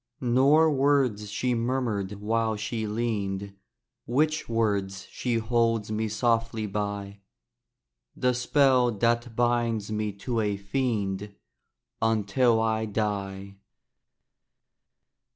Nor words she murmured while she leaned! Witch words, she holds me softly by, The spell that binds me to a fiend Until I die.